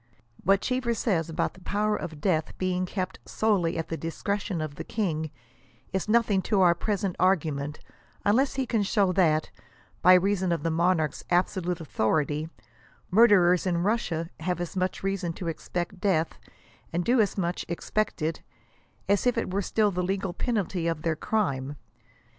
What Gheever says about the power of death being kept " solely at the discretion of the king" is nothing to our present argument, unless he can show that, by reason of the monarcli's absolute authority, murderers in Russia have as much reason to expect death, and do as much expect it, as if it were still the legal penalty of their crime.